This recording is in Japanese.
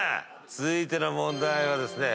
続いての問題はですね。